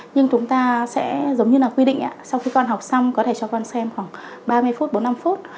nhưng chúng ta sẽ giống như là quy định sau khi con học xong có thể cho con xem khoảng ba mươi phút bốn mươi năm phút